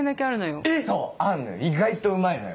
意外とうまいのよ。